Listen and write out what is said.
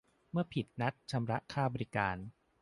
เมื่อผิดนัดชำระค่าบริการ